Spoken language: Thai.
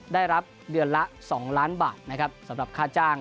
ได้รับเดือนละ๒ล้านบาทนะครับสำหรับค่าจ้าง